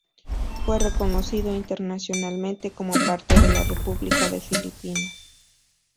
Fue reconocido internacionalmente como parte de la República de Filipinas.